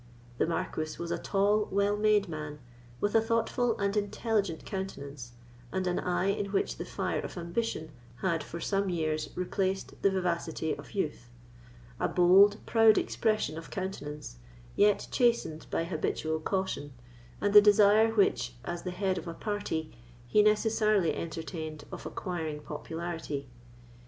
The Marquis was a tall, well made man, with a thoughtful and intelligent countenance, and an eye in which the fire of ambition had for some years replaced the vivacity of youth; a bold, proud expression of countenance, yet chastened by habitual caution, and the desire which, as the head of a party, he necessarily entertained of acquiring popularity.